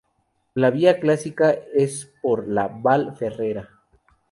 La vía clásica es por la Vall Ferrera.